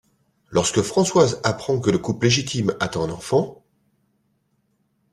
Lorsque Françoise apprend que le couple légitime attend un enfant...